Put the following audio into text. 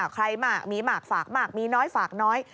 ใครมากมีมากฝากมากมีน้อยฝากน้อย